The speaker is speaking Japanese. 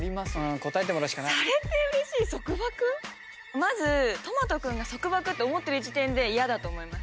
まずとまと君が束縛と思ってる時点で嫌だと思います。